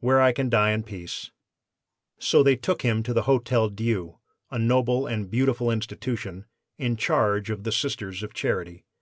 Where I can die in peace.' "So they took him to the Hotel Dieu, a noble and beautiful institution, in charge of the Sisters of Charity.